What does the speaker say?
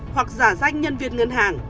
hoặc giả danh nhân viên ngân hàng